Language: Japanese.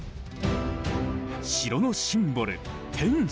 城のシンボル天守。